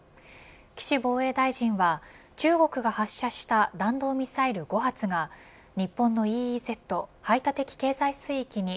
岸防衛大臣は、中国が発射した弾道ミサイル５発が日本のＥＥＺ排他的経済水域に